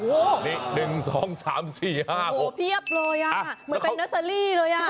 โอ้โหเพียบเลยอะเหมือนเป็นนัสลีเลยอะ